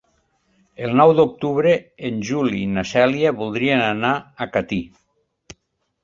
El nou d'octubre en Juli i na Cèlia voldrien anar a Catí.